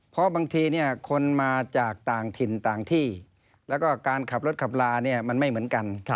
เพราะบางทีคนมาจากต่างถิ่นต่างที่แล้วก็การขับรถขับลามันไม่เหมือนกัน